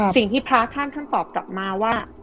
สิ่งที่พระท่านท่านตอบกลับมาว่า